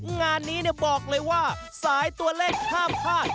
งานนี้บอกเลยว่าสายตัวเลขห้ามพลาด